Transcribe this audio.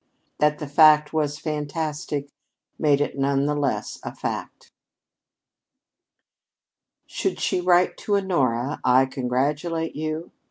That the fact was fantastic made it none the less a fact. Should she write to Honora: "I congratulate you?"